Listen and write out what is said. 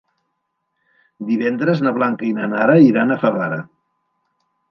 Divendres na Blanca i na Nara iran a Favara.